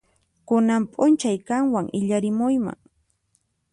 Kunan p'unchay qanwan illarimuyman.